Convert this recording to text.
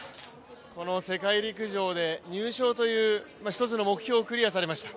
この世界陸上で入賞という一つの目標をクリアされました。